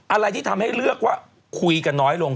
อะไรที่ทำให้เลือกว่าคุยกันน้อยลง